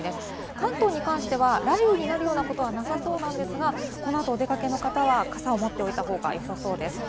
関東に関しては雷雨になるようなことはなさそうですが、この後、お出かけの方は傘を持っておいたほうがよさそうです。